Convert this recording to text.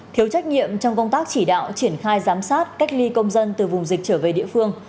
thiếu trách nhiệm trong công tác chỉ đạo triển khai giám sát cách ly công dân từ vùng dịch trở về địa phương